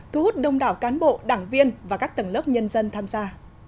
hông đảo cán bộ đảng viên và các tầng lớp nhân dân tham gia